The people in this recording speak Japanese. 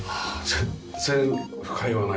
全然不快はない？